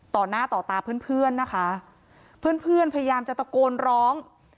ต่อหน้าต่อตาเพื่อนเพื่อนนะคะเพื่อนเพื่อนพยายามจะตะโกนร้อง